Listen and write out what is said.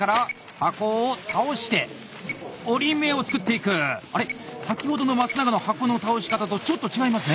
あれ先ほどの松永の箱の倒し方とちょっと違いますね？